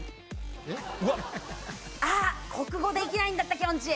国語できないんだったきょんちぃ。